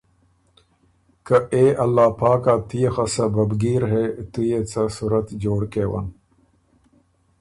که ”اې الله پاکه تُو يې خه سبب ګیر هې تُو يې څه صورت جوړ کېون،